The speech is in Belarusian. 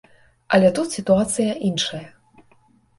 Але тут сітуацыя іншая.